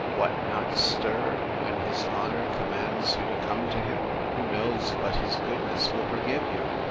What! not stir, when his honour commands you to come to him!—Who knows but his goodness will forgive you?